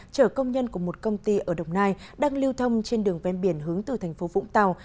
chở công nhân của một công ty ở đồng nai đang lưu thông trên đường ven biển hướng từ thành phố vũng tàu